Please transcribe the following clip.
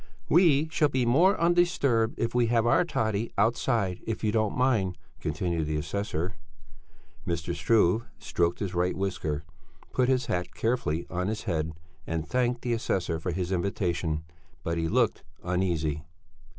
"We shall be more undisturbed if we have our toddy outside, if you don't mind," continued the assessor. Mr. Struve stroked his right whisker, put his hat carefully on his head and thanked the assessor for his invitation; but he looked uneasy.